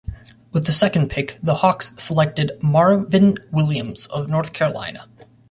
With the second pick, the Hawks selected Marvin Williams of North Carolina.